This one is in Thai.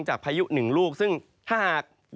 พายุหนึ่งลูกซึ่งถ้าหาก